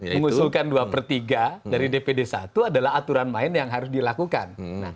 mengusulkan dua per tiga dari dpd satu adalah aturan main yang harus dilakukan